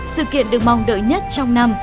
sự kiện được mong đợi nhất trong năm